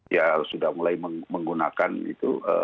ya sudah mulai menggunakan itu